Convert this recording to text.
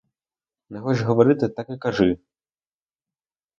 Не хочеш говорити, так і кажи!